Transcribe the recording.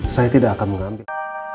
saya tidak akan mengambil